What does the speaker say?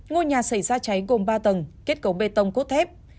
ngôi nhà xảy ra cháy gồm ba tầng kết cấu bê tông cốt thép